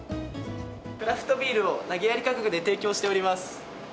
クラフトビールをなげやり価格で提供しております。